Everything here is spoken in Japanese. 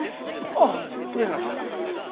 あっ上原さん。おはようございます。